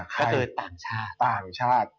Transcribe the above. คือต่างชาติ